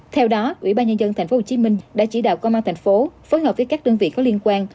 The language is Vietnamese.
theo đó ủy ban nhân dân tp hcm đã chỉ đạo công an thành phố phối hợp với các đơn vị có liên quan